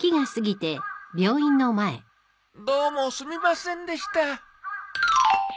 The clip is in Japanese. どうもすみませんでした。